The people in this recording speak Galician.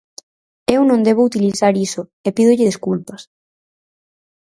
Eu non debo utilizar iso e pídolle desculpas.